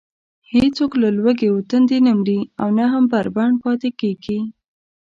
هېڅوک له لوږې و تندې نه مري او نه هم بربنډ پاتې کېږي.